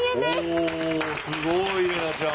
おすごい怜奈ちゃん。